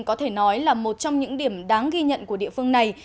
có thể nói là một trong những điểm đáng ghi nhận của địa phương này